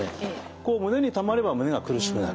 胸にたまれば胸が苦しくなる。